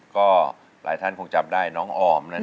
ก็หลายท่านคงจำได้น้องออมนั่นเอง